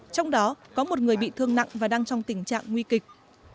trong đó có một người bị thương nặng và đang trong tình trạng nguy kịch